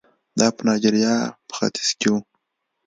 دا په نایجریا په ختیځ کې وو.